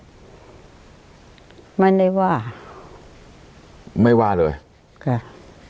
สมัยว่าไม่ว่าเลยครับ